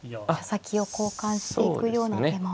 先を交換していくような手も。